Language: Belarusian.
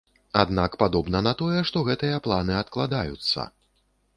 Аднак падобна на тое, што гэтыя планы адкладаюцца.